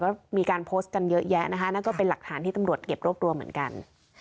ก็มีการโพสต์กันเยอะแยะนะคะนั่นก็เป็นหลักฐานที่ตำรวจเก็บรวบรวมเหมือนกัน